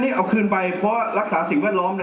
ไม่งั้นออกขึ้นไปเพราะรักษาสิ่งแวดล้อมนะครับ